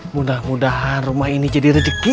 mudah mudahan rumah ini jadi rezeki